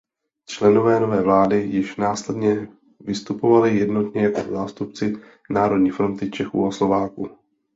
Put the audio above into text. Členové nové vlády již následně vystupovali jednotně jako zástupci Národní fronty Čechů a Slováků.